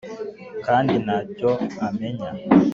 Kandi Nta Cyo Amenya